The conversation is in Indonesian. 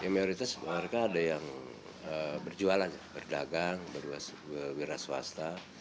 mayoritas warga ada yang berjualan berdagang berwira swasta